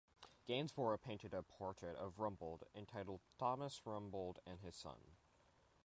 Gainsborough painted a portrait of Rumbold entitled "Thomas Rumbold and his Son".